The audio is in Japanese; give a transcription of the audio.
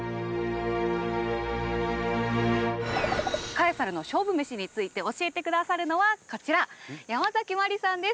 カエサルの勝負メシについて教えて下さるのはこちらヤマザキマリさんです。